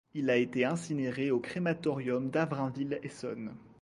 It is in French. Il a été incinéré au Crématorium d'Avrainville Essonne.